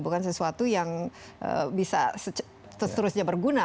itu juga bukan sesuatu yang bisa terusnya berguna